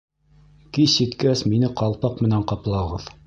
Кис еткәс мине ҡалпаҡ менән ҡаплағыҙ.